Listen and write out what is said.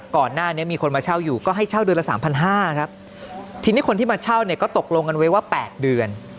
ก่อนหน้านี้มีคนมาเช่าอยู่ก็ให้เช่าเดือนละสามพันห้าครับทีนี้คนที่มาเช่าเนี่ยก็ตกลงกันไว้ว่าแปดเดือน